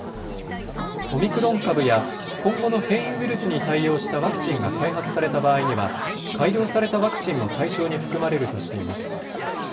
オミクロン株や今後の変異ウイルスに対応したワクチンが開発された場合には改良されたワクチンも対象に含まれるとしています。